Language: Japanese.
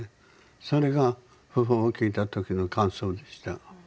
それが訃報を聞いた時の感想でした。